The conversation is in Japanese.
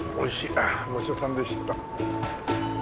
ああごちそうさんでした。